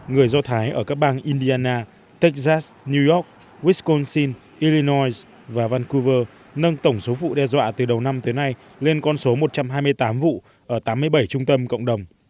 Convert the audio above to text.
người do thái ở các bang indiana techas new york wisconsin irinois và vancouver nâng tổng số vụ đe dọa từ đầu năm tới nay lên con số một trăm hai mươi tám vụ ở tám mươi bảy trung tâm cộng đồng